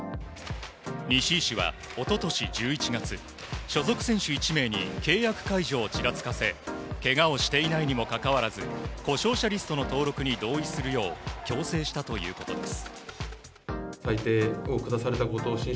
西井氏は一昨年１１月所属選手１名に契約解除をちらつかせけがをしていないにもかかわらず故障者リストの登録に同意するよう強制したということです。